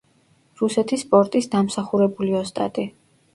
რუსეთის სპორტის დამსახურებული ოსტატი.